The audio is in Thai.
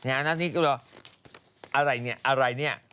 อันนั้นนี่ก็เลยว่าอะไรเนี่ยอะไรเนี่ย